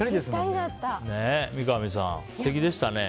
三上さん、素敵でしたね。